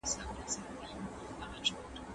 علامه رشاد په خپل ژوند کې د علم خدمت کړی دی.